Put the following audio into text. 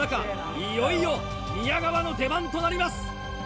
いよいよ宮川の出番となります！